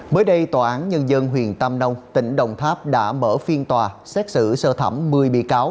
mới đây tòa án nhân dân huyện tam nông tỉnh đồng tháp đã mở phiên tòa xét xử sơ thẩm một mươi bị cáo